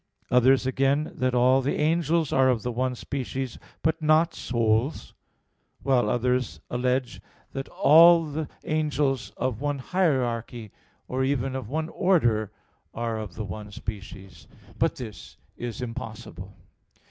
Others, again, that all the angels are of the one species, but not souls; while others allege that all the angels of one hierarchy, or even of one order, are of the one species. But this is impossible.